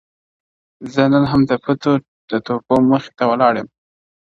زه نن هم د فتوو د توپو مخې ته ولاړ یم